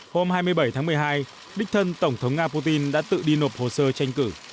hôm hai mươi bảy tháng một mươi hai đích thân tổng thống nga putin đã tự đi nộp hồ sơ tranh cử